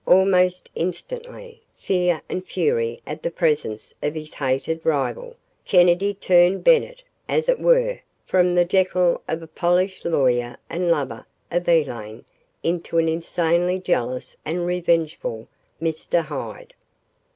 Almost instantly, fear and fury at the presence of his hated rival, Kennedy, turned Bennett, as it were, from the Jekyll of a polished lawyer and lover of Elaine into an insanely jealous and revengeful Mr. Hyde.